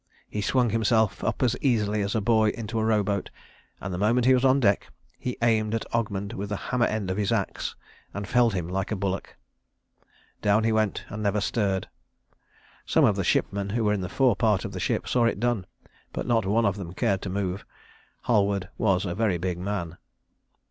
He swung himself up as easily as a boy into a row boat; and the moment he was on deck, he aimed at Ogmund with the hammer end of his axe, and felled him like a bullock. Down he went, and never stirred. Some of the shipmen who were in the forepart of the ship saw it all done; but not one of them cared to move. Halward was a very big man.